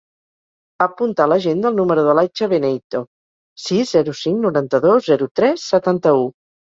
Apunta a l'agenda el número de l'Aicha Beneyto: sis, zero, cinc, noranta-dos, zero, tres, setanta-u.